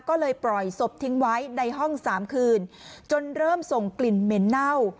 ก็เลยปล่อยศพทิ้งไว้ในห้องสามคืนจนเริ่มส่งกลิ่นเหม็นเน่า